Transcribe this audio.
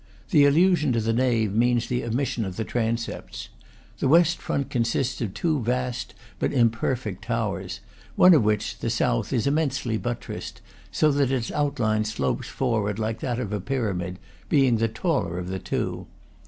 The allusion to the nave means the omission of the transepts. The west front consists of two vast but imperfect towers; one of which (the south) is immensely buttressed, so that its outline slopes forward, like that of a pyramid, being the taller of the two.